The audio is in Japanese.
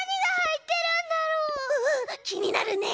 きになるね！